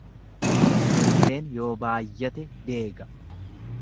Erbeen yoo baayyate deega.